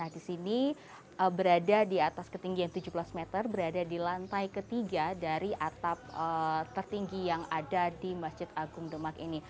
di sini berada di atas ketinggian tujuh belas meter berada di lantai ketiga dari atap tertinggi yang ada di masjid agung demak ini